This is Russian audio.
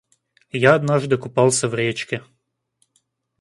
Я однажды купался в речке.